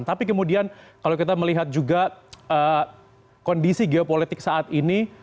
tapi kemudian kalau kita melihat juga kondisi geopolitik saat ini